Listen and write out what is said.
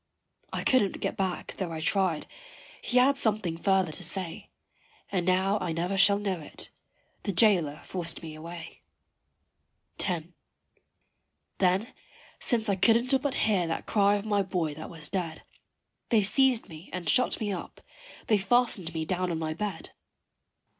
I couldn't get back tho' I tried, he had something further to say, And now I never shall know it. The jailer forced me away. X. Then since I couldn't but hear that cry of my boy that was dead, They seized me and shut me up: they fastened me down on my bed.